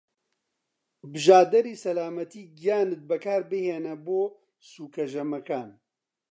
بژادەری سەلامەتی گیانت بەکاربهێنە بۆ سوکە ژەمەکان.